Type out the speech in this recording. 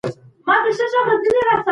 دا قانون باید په پښتو کي نافذ سي.